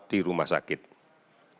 tidak seluruhnya memiliki indikasi untuk dirawat